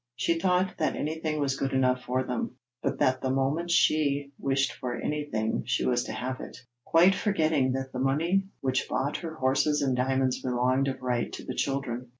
She thought that anything was good enough for them, but that the moment she wished for anything she was to have it quite forgetting that the money which bought her horses and diamonds belonged of right to the children.